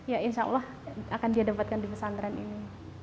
ya insya allah akan dia dapatkan di pesantren ini